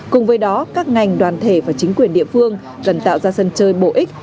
cùng với đó các ngành đoàn thể và chính quyền địa phương cần tạo ra sân chơi bổ ích